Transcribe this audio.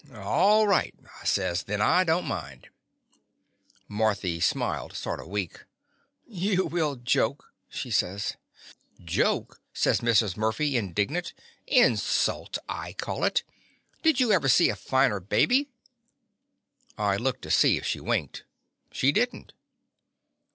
"All right," I says, "then I don't mind." Marthy smiled, sort of weak. "You will joke," she says. "Joke!" says Mrs. Murphy, in dignant; "insult, I call it. Did you ever see a finer baby?" I looked to see if she winked. She did n't.